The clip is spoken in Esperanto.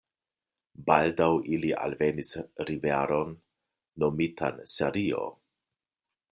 Baldaŭ ili alvenis riveron, nomitan Serio.